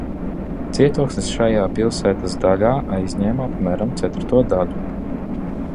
Cietoksnis šajā pilsētas daļā aizņēma apmēram ceturto daļu.